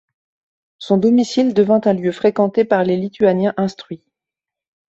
Son domicile devint un lieu fréquenté par les lituaniens instruits.